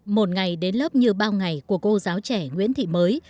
một ngày đến lớp như bao ngày của cô giáo trẻ nguyễn thị mới